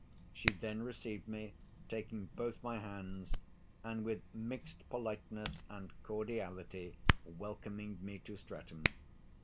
She then received me, taking both my hands, and with mixed politeness and cordiality welcoming me to Streatham.